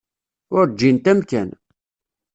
Ur ǧǧint amkan.